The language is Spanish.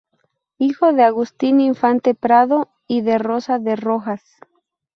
Hijo de Agustín Infante Prado y de Rosa de Rojas.